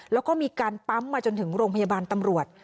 แล้วก็มีการปั๊มมาจนถึงโรงพยาบาลตำรวจ